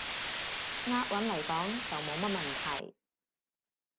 押韻來講，就冇乜問題